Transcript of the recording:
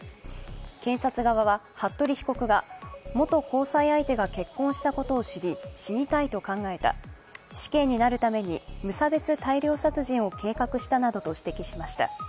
検察側は服部被告が元交際相手が結婚したことを知り死にたいと考えた、死刑になるために無差別大量殺人などを計画したなどと指摘しました。